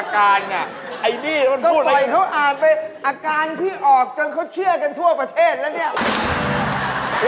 คุณก็ปล่อยเขาอ่านไปอาการพี่ออกจนเขาเชื่อกับทุกประเทศแล้วเนี่ย